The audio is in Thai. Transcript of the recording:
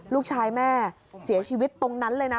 ลูกชายแม่เสียชีวิตตรงนั้นเลยนะ